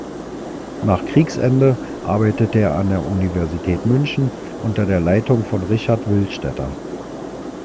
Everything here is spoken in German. Nach Kriegsende arbeitete er an der Universität München unter der Leitung von Richard Willstätter.